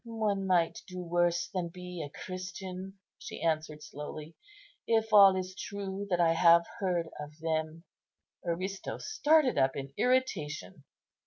"One might do worse than be a Christian," she answered slowly, "if all is true that I have heard of them." Aristo started up in irritation.